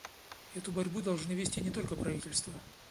Эту борьбу должны вести не только правительства.